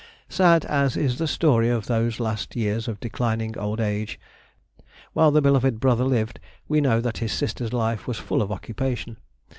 Sad as is the story of those last years of declining old age, while the beloved brother lived we know that his sister's life was full of occupation.